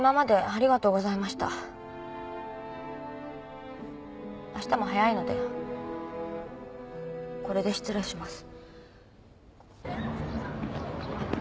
あしたも早いのでこれで失礼します。